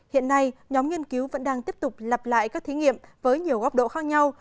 hiện nay nhóm nghiên cứu vẫn đang tiếp tục lặp lại các thí nghiệm với nhiều góc độ khác nhau